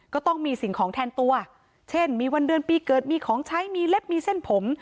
ก็ต้องมีสิ่งของแทนตัวเช่นมีวันเดือนปีเกิดมีของใช้มีเล็บมีเส้นผม